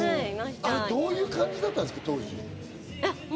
どういう感じだったんですか？